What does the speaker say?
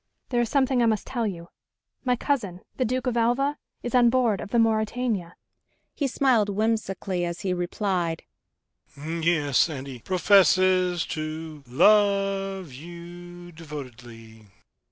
"There is something I must tell you ... my cousin, the Duke of Alva, is on board of the Mauretania." He smiled whimsically as he replied, "Yes, and he professes to love you devotedly."